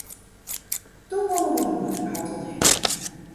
Doe gongen we der mei de auto hinne.